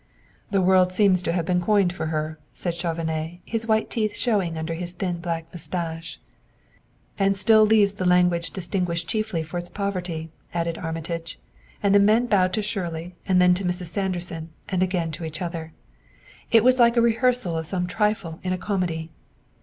"The word seems to have been coined for her," said Chauvenet, his white teeth showing under his thin black mustache. "And still leaves the language distinguished chiefly for its poverty," added Armitage; and the men bowed to Shirley and then to Mrs. Sanderson, and again to each other. It was like a rehearsal of some trifle in a comedy.